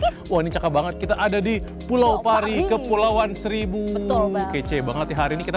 rizky wah ini cakep banget kita ada di pulau pari ke pulauan seribu kece banget hari ini kita